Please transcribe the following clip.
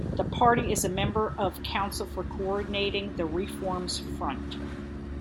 The party is a member of Council for coordinating the Reforms Front.